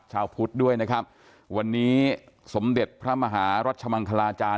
ชาวพุทธด้วยนะครับวันนี้สมเด็จพระมหารัชมังคลาจารย